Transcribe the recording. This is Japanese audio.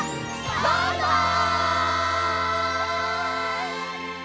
バイバイ！